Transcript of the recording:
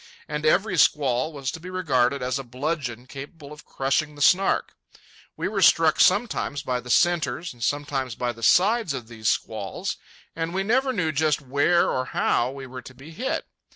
And every squall was to be regarded as a bludgeon capable of crushing the Snark. We were struck sometimes by the centres and sometimes by the sides of these squalls, and we never knew just where or how we were to be hit.